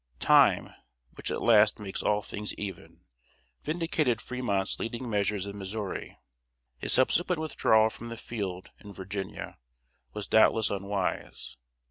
] Time, which at last makes all things even, vindicated Fremont's leading measures in Missouri. His subsequent withdrawal from the field, in Virginia, was doubtless unwise.